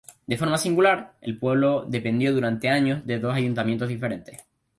De forma singular, el pueblo dependió durante años de dos ayuntamientos diferentes.